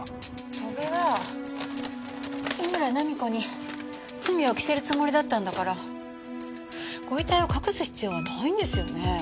戸辺は三村菜実子に罪を着せるつもりだったんだからご遺体を隠す必要はないんですよね。